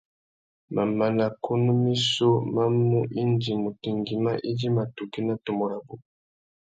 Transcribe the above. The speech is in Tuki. Mamana kunú missú má mú indi mutu ngüimá idjima tukí nà tumu rabú.